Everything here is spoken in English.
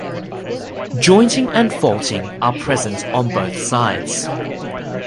Jointing and faulting are present on both sides.